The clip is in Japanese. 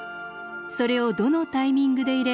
それをどのタイミングで入れ